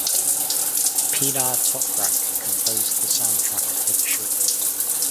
Pinar Toprak composed the soundtrack for the short.